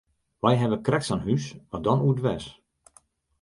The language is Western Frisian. Wy hawwe krekt sa'n hús, mar dan oerdwers.